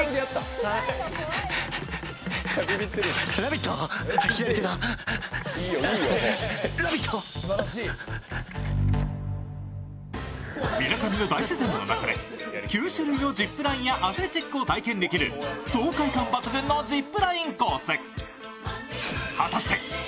みなかみの大自然の中で９種類のジップラインやアスレチックを体験できる爽快感抜群のジップラインコース。